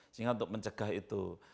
sehingga untuk mencegah itu